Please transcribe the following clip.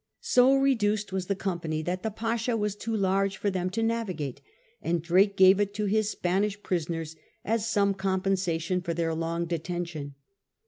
So reduced was the company that the Pasha was too large for them to navigate, and Drake gave it to his Spanish prisoners as some com pensation for their long detention.